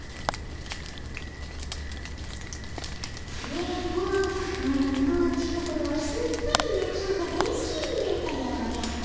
電ボマロの近ごろはすっかり納豆が大すきになったでおじゃる。